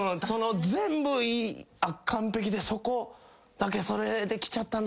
全部完璧でそこだけそれで来ちゃったんだ